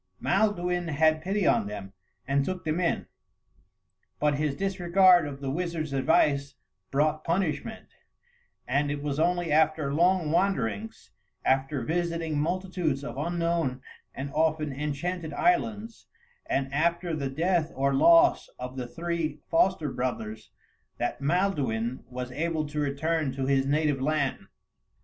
Maelduin had pity on them and took them in, but his disregard of the wizard's advice brought punishment; and it was only after long wanderings, after visiting multitudes of unknown and often enchanted islands, and after the death or loss of the three foster brothers, that Maelduin was able to return to his native land.